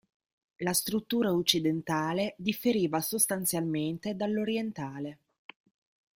La struttura occidentale differiva sostanzialmente dall'orientale.